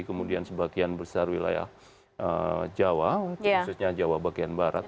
kemudian sebagian besar wilayah jawa khususnya jawa bagian barat